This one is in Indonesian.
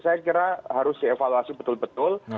saya kira harus dievaluasi betul betul